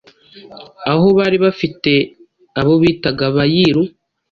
aho bari bafite abo bitaga “Abayiru “